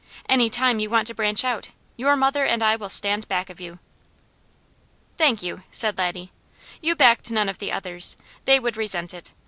Any time you want to branch out, your mother and I will stand back of you." "Thank you!" said Laddie. "You backed none of the others. They would resent it.